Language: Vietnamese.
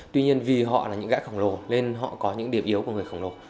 tuy nhiên vì họ là những gã khổng lồ nên họ có những điểm yếu của người khổng lồ